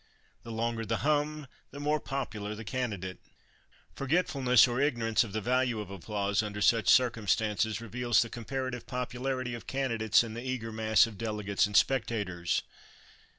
The longer the hum, the more popular the candidate. Forgetfulness or ignorance of the value of applause under such circumstances reveals the comparative popularity of candidates in the eager mass of delegates and spectators.